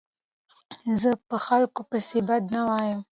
زه په خلکو پيسي بد نه وایم.